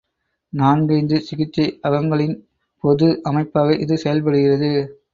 நான்கைந்து சிகிச்சை அகங்களின பொது அமைப்பாக இது செயல்படுகிறது.